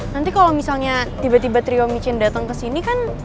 nanti kalo misalnya tiba tiba trio micin dateng kesini kan